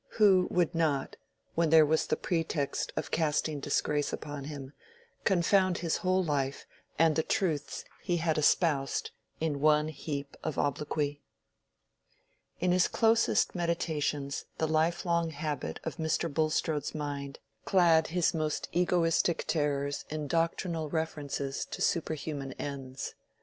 Who would not, when there was the pretext of casting disgrace upon him, confound his whole life and the truths he had espoused, in one heap of obloquy? In his closest meditations the life long habit of Mr. Bulstrode's mind clad his most egoistic terrors in doctrinal references to superhuman ends.